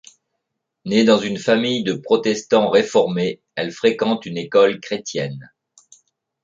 Née dans une famille de protestants réformés, elle fréquente une école chrétienne.